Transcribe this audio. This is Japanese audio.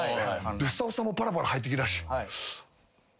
スタッフさんもパラパラ入ってきたし。